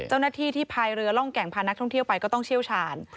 เจ้าหน้าที่ที่พายเรือร่องแก่งพานักท่องเที่ยวไปก็ต้องเชี่ยวชาญ